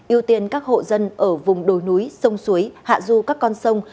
ưu tiên các hộ dân ở vùng đồi núi sông suối hạ du các con sông